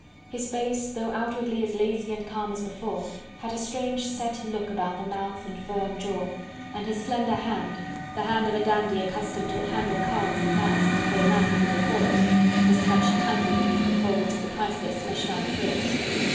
His face though outwardly as lazy and calm as before had a strange set look about the mouth and firm jaw, and his slender hand, the hand of a dandy accustomed to handle cards and dice and to play lightly with the foils, was clutched tightly beneath the folds of the priceless Mechlin frills.